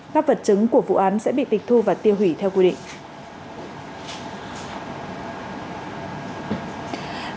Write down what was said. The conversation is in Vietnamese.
các vật chứng của vụ án sẽ bị tịch thu và tiêu hủy theo quy định